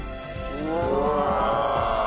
うわ！